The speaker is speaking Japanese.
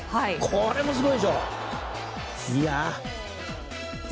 これもすごいでしょ。